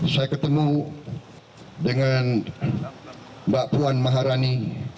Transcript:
saya ketemu dengan mbak puan maharani